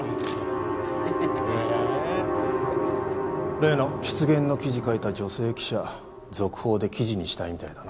例の失言の記事書いた女性記者続報で記事にしたいみたいだな。